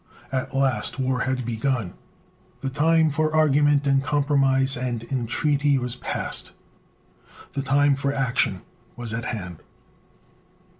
At last war had begun. The time for argument and compromise and entreaty was past. The time for action was at hand.